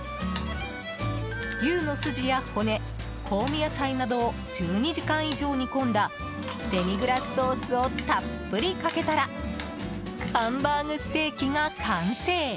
牛の筋や骨、香味野菜などを１２時間以上煮込んだデミグラスソースをたっぷりかけたらハンバーグステーキが完成！